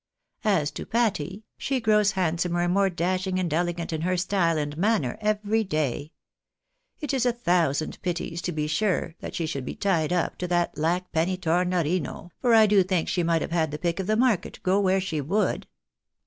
" As to Patty, she grows handsomer and more dashing and ele gant in her style and manner every day. It is a thousand pities, to be sure, that she should be tied up to that Lackpenny Tornorino, for I do think she might have had the pick of the market, go where she would.